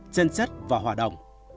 chân chất và hòa động